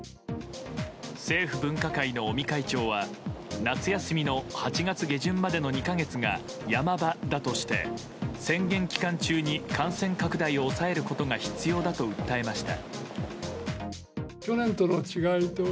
政府分科会の尾身会長は夏休みの８月下旬までの２か月が山場だとして宣言期間中に感染を抑えることが必要だと訴えました。